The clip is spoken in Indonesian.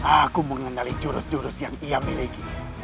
aku mengenali jurus jurus yang ia miliki